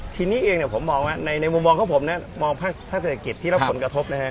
ทีนี้เองผมมองว่าในมุมมองของผมนะมองภาคเศรษฐกิจที่รับผลกระทบนะฮะ